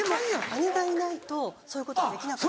姉がいないとそういうことはできなかった。